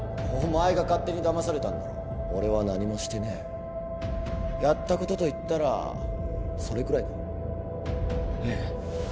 お前が勝手にだまされたんだろ俺は何もしてねえやったことといったらそれくらいだえっ？